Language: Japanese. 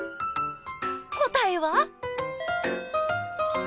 答えは。